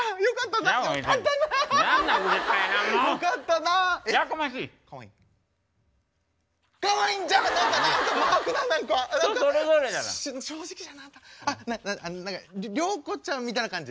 りょうこちゃんみたいな感じ？